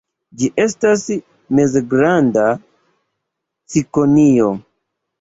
Ĝi estas mezgranda cikonio.